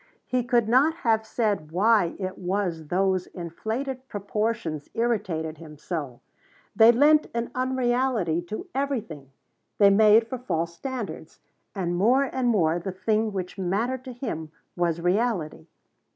He could not have said why it was those inflated proportions irritated him so. They lent an unreality to everything. They made for false standards. And more and more the thing which mattered to him was reality.